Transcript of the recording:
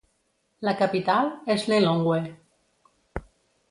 La capital és Lilongwe.